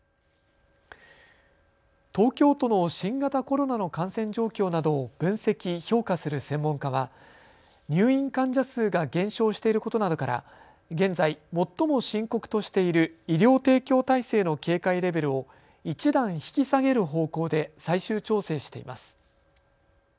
東京都の新型コロナの感染状況などを分析・評価する専門家は入院患者数が減少していることなどから現在、最も深刻としている医療提供体制の警戒レベルを１段引き下げる方向で最終調整しています。